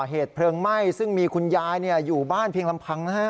เหตุเพลิงไหม้ซึ่งมีคุณยายอยู่บ้านเพียงลำพังนะฮะ